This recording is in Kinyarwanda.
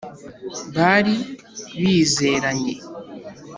bari bizeranye